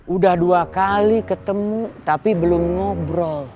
udah dua kali ketemu tapi belum ngobrol